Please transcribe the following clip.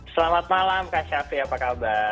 selamat malam kak syafi apa kabar